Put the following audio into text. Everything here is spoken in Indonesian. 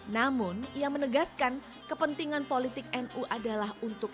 namun ia menegaskan kepentingan politik nu adalah untuk